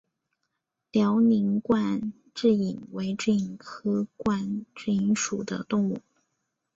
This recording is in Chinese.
辽宁冠蛭蚓为蛭蚓科冠蛭蚓属的动物。